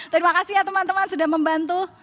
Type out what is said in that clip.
terima kasih ya teman teman sudah membantu